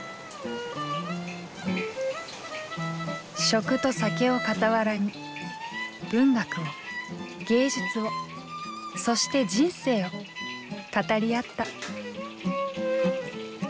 食と酒を傍らに文学を芸術をそして人生を語り合った。